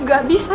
gak ada apa apa